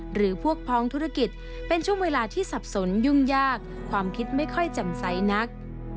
หรือพวกพ้องธุรกิจเป็นช่วงเวลาที่สับสนยุ่งยากความคิดไม่ค่อยจำใสนัก